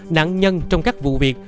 nạn nhân trong các vụ việc